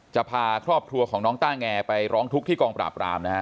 จะพาครอบครัวของน้องต้าแงไปร้องทุกข์ที่กองปราบรามนะฮะ